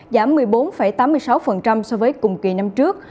bảo hiểm y tế giảm một mươi bốn tám mươi sáu so với cùng kỳ năm trước